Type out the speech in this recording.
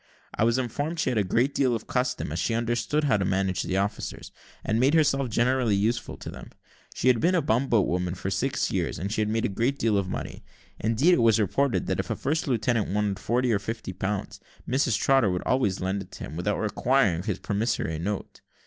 I was informed she had a great deal of custom, as she understood how to manage the officers, and made herself generally useful to them. She had been a bumboat woman for six years, and had made a great deal of money. Indeed, it was reported, that if a first lieutenant wanted forty or fifty pounds, Mrs Trotter would always lend it to him, without requiring his promissory note.